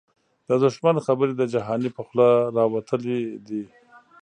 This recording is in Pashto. د دښمن خبري د جهانی په خوله راوتلی دې